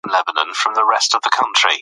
که پروګرام جوړ کړو نو پرمختګ کوو.